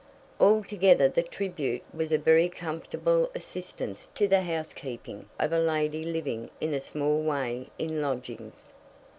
Altogether the tribute was a very comfortable assistance to the housekeeping of a lady living in a small way in lodgings.